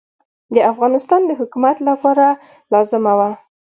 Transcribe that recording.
د افغانستان د حکومت لپاره لازمه وه.